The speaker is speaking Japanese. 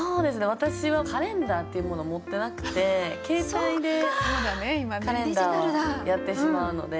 私はカレンダーっていうものを持ってなくて携帯でカレンダーをやってしまうので。